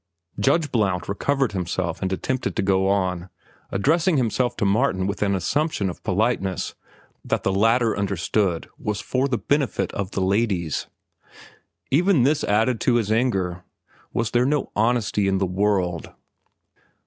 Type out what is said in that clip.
Judge Blount recovered himself and attempted to go on, addressing himself to Martin with an assumption of politeness that the latter understood was for the benefit of the ladies. Even this added to his anger. Was there no honesty in the world?